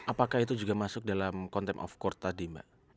apakah itu juga masuk dalam contempt of court tadi mbak